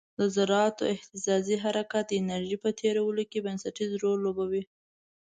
د ذراتو اهتزازي حرکت د انرژي په تیرولو کې بنسټیز رول لوبوي.